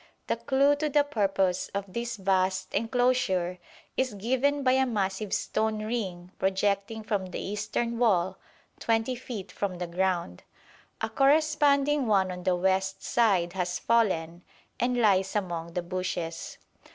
The clue to the purpose of this vast enclosure is given by a massive stone ring projecting from the eastern wall 20 feet from the ground. A corresponding one on the west side has fallen and lies among the bushes.